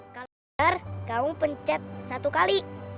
kalian kamu pencet satu kali